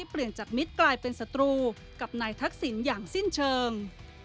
เปลี่ยนจากมิตรกลายเป็นศัตรูกับนายทักษิณอย่างสิ้นเชิง